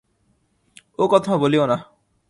ও কথা বলিয়ো না।